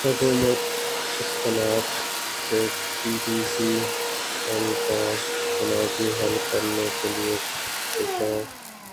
حکومت اتصالات سے پی ٹی سی ایل کا تنازع حل کرنے کیلئے کوشاں